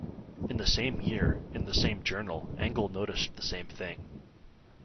In the same year, in the same journal, Engel noticed the same thing.